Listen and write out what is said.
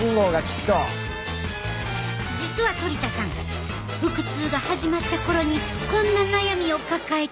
実はトリ田さん腹痛が始まった頃にこんな悩みを抱えてたんや。